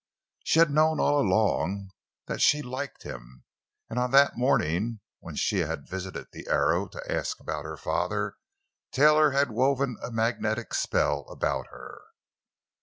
She had known all along that she had liked him, and on that morning when she had visited the Arrow to ask about her father Taylor had woven a magnetic spell about her.